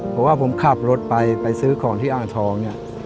เพราะว่าผมขับรถไปไปซื้อของที่อ่างทองเนี่ย